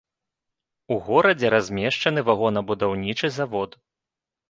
У горадзе размешчаны вагонабудаўнічы завод.